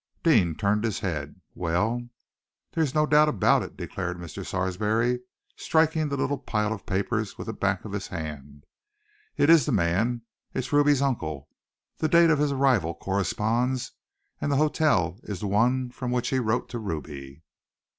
Deane turned his head. "Well?" "There's no doubt at all about it," declared Mr. Sarsby, striking the little pile of papers with the back of his hand. "It's the man it's Ruby's uncle! The date of his arrival corresponds, and the hotel is the one from which he wrote to Ruby."